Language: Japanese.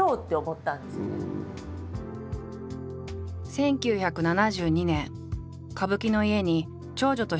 １９７２年歌舞伎の家に長女として生まれた寺島。